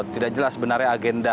tidak jelas sebenarnya agenda